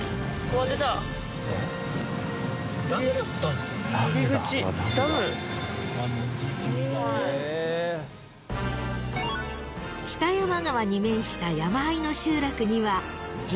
［北山川に面した山あいの集落には］